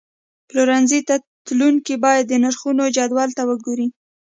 پلورنځي ته تلونکي باید د نرخونو جدول ته وګوري.